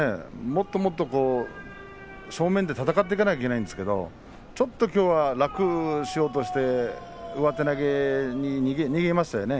もっともっと正面で戦っていかなくてはいけないんですけどちょっと、きょうは楽をしようとして上手投げに逃げましたね。